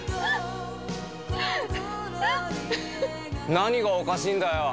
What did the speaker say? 何がおかしいんだよ。